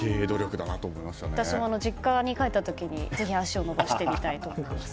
私も実家に帰った時にぜひ足を延ばしてみたいと思います。